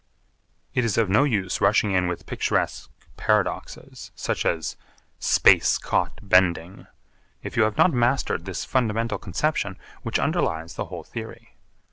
It is of no use rushing in with picturesque paradoxes, such as 'Space caught bending,' if you have not mastered this fundamental conception which underlies the whole theory.